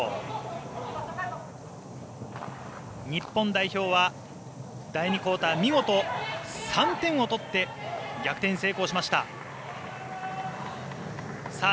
日本代表は第２クオーター見事３点を取って逆転に成功しました。